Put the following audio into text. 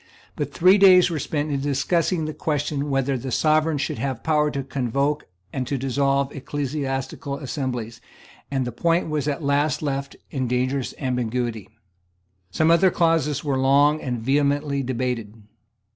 But three days were spent in discussing the question whether the Sovereign should have power to convoke and to dissolve ecclesiastical assemblies; and the point was at last left in dangerous ambiguity. Some other clauses were long and vehemently debated.